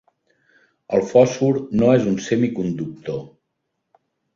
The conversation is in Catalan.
El fòsfor no és un semiconductor.